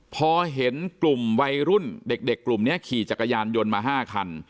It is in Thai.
พอเห็นกลุ่มวัยรุ่นเด็กกลุ่มนี้ขี่จักรยานยนต์มา๕คัน